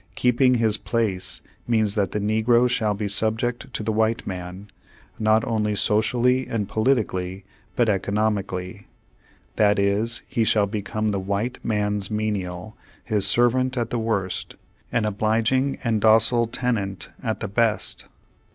''Keeping his place" means that the negro shall be subject to the white man, not only socially and politically, but economically; that is, he shall become the white man's menial — his servant at the worst; an obliging and docile tenant at the best.